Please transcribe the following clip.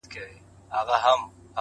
لوړ فکر لوی بدلونونه زېږوي.!